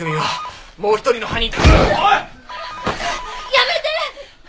やめて！